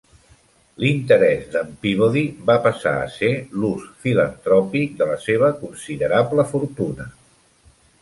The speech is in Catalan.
L"interès de"n Peabody va passar a ser l"ús filantròpic de la seva considerable fortuna.